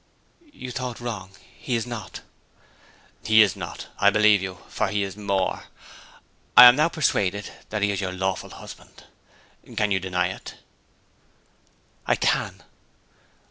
'You thought wrong: he is not.' 'He is not I believe you for he is more. I now am persuaded that he is your lawful husband. Can you deny it!' 'I can.'